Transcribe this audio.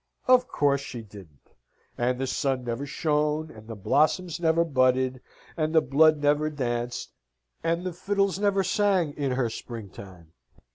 Of course, she didn't! And the sun never shone, and the blossoms never budded, and the blood never danced, and the fiddles never sang, in her spring time.